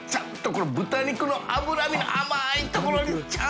この豚肉の脂身の甘いところに舛磴